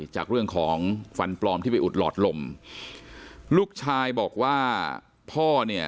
จากเรื่องของฟันปลอมที่ไปอุดหลอดลมลูกชายบอกว่าพ่อเนี่ย